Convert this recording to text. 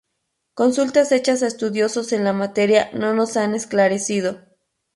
Consultas hechas a estudiosos en la materia no nos han esclarecido.